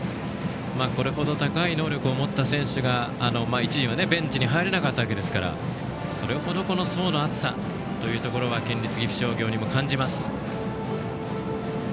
これ程高い能力を持った選手が一時はベンチに入れなかったわけですからそれ程、層の厚さは県立岐阜商業にも感じます。